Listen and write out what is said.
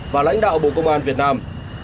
và lãnh đạo bộ công an việt nam